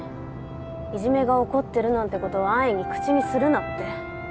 「いじめが起こってるなんて事を安易に口にするな」って。